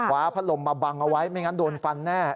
พัดลมมาบังเอาไว้ไม่งั้นโดนฟันแน่